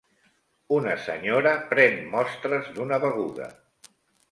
Una senyora pren mostres d'una beguda.